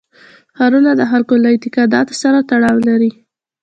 ښارونه د خلکو له اعتقاداتو سره تړاو لري.